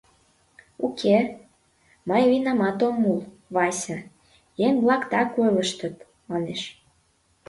"Уке, мый винамат ом ул, Вася: еҥ-влак так ойлыштыт», – манеш.